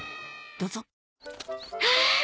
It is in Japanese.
どうぞあ！